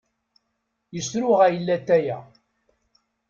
Yesruɣay latay-a.